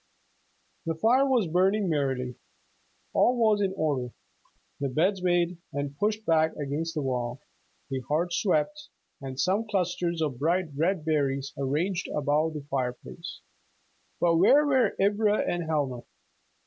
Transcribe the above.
The fire was burning merrily. All was in order, the beds made and pushed back against the wall, the hearth swept, and some clusters of bright red berries arranged above the fireplace. But where were Ivra and Helma?